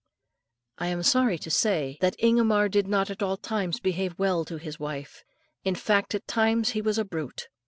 I am sorry to say that Ingomar did not at all times behave well to his wife; in fact, at times he was a brute.